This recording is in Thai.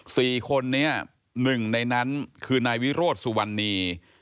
สี่คนนี้หนึ่งในนั้นคือนายวิโรธสุวรรณี